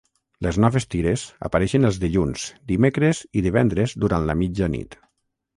Les noves tires apareixen els dilluns, dimecres i divendres durant la mitjanit.